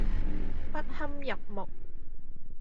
不堪入目